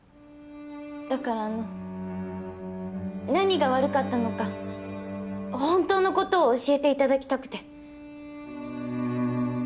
だからあの何が悪かったのか本当のことを教えていただきたくて。